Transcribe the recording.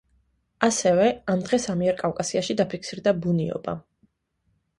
ასევე, ამ დღეს ამიერკავკასიაში დაფიქსირდა ბუნიობა.